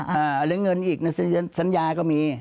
เออและเงินอีกสัญาก็มี